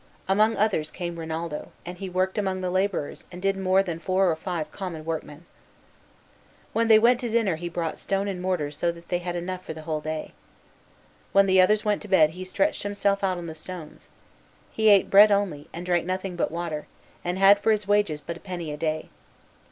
Among others came Rinaldo; and he worked among the laborers and did more than four or five common workmen. When they went to dinner he brought stone and mortar so that they had enough for the whole day. When the others went to bed he stretched himself out on the stones. He ate bread only, and drank nothing but water; and had for his wages but a penny a day.